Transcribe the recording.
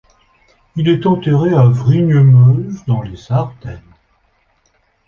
Il est enterré à Vrigne-Meuse dans les Ardennes.